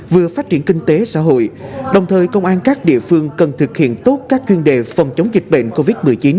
vừa phát triển kinh tế xã hội đồng thời công an các địa phương cần thực hiện tốt các chuyên đề phòng chống dịch bệnh covid một mươi chín